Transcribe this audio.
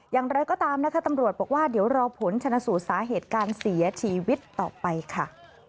อย่างไรก็ตามนะคะตำรวจบอกว่าเดี๋ยวรอผลชนะสูตรสาเหตุการเสียชีวิตต่อไปค่ะ